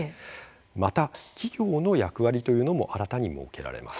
また、企業の役割というのも新たに設けられます。